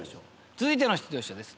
続いての出場者です。